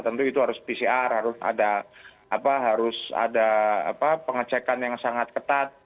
tentu itu harus pcr harus ada pengecekan yang sangat ketat